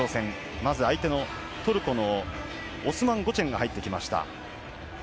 まず相手のトルコのオスマン・ゴチェンが入ってきました。